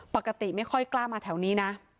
ปกติไม่ค่อยกล้ามาแถวนี้นะ